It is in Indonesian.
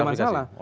tidak ada masalah